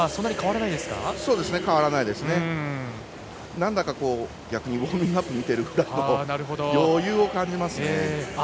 なんだかウォームアップ見てるくらいの余裕を感じますね。